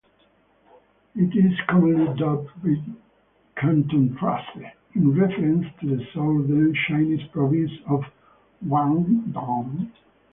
It is commonly dubbed "Kantonstrasse", in reference to the southern Chinese province of Guangdong.